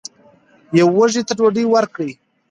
یو وږي ته ډوډۍ ورکړئ.